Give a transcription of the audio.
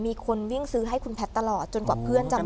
มีคนวิ่งซื้อให้คุณแพทย์ตลอดจนกว่าเพื่อนจะมา